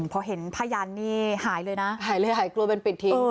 พอเห็นพยานนี่หายเลยนะหายเลยหายกลัวเป็นปิดทิ้ง